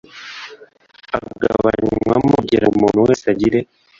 agabanywamo kugira ngo umuntu wese agire